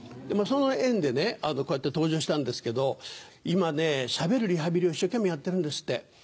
その縁でこうやって登場したんですけど今しゃべるリハビリを一生懸命やってるんですって。